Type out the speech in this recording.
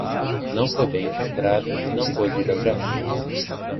Não foi bem encontrado e não pôde ir ao jardim.